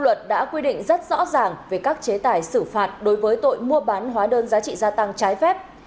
thưa quý vị pháp luật đã quyết định rất rõ ràng về các chế tài xử phạt đối với tội mua bán hóa đơn giá trị gia tăng trái phép